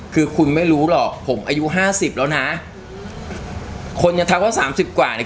คือคุณไม่รู้หรอกผมอายุห้าสิบแล้วนะคนจะทักว่าสามสิบกว่าเนี่ย